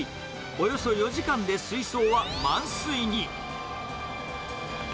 およそ４時間で水槽は満水に。